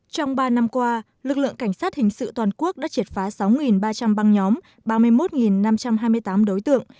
trong ba năm qua lực lượng cảnh sát hình sự toàn quốc đã triệt phá sáu ba trăm linh băng nhóm ba mươi một năm trăm hai mươi tám đối tượng